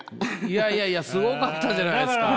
いやいやいやすごかったじゃないですか。